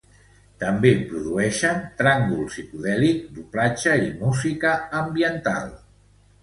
També produeixen tràngol psicodèlic, doblatge i música ambiental.